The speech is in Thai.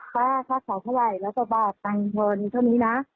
ค่าของเท่าไหร่แล้วก็บอกตังค์พอมีเท่านี้นะ